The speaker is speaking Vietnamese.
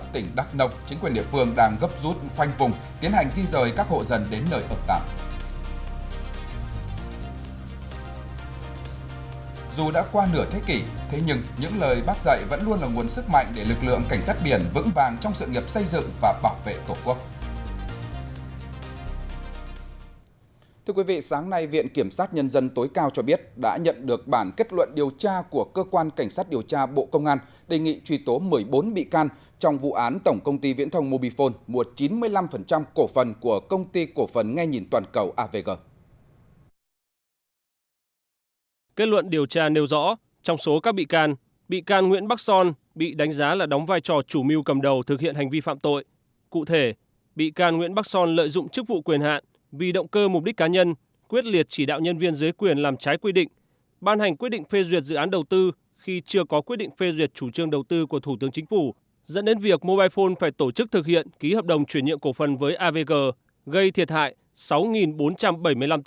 trong phần tiếp theo sạt lở đất bất thường ở huyện đắc lấp tỉnh đắc nộc chính quyền địa phương đang gấp rút khoanh vùng tiến hành di rời các hộ dân đến nơi hợp tạm